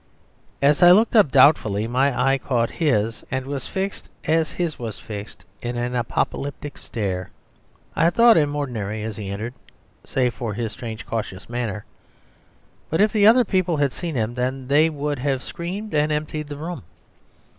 As I looked up doubtfully my eye caught his, and was fixed as his was fixed in an apocalyptic stare. I had thought him ordinary as he entered, save for his strange, cautious manner; but if the other people had seen him then they would have screamed and emptied the room.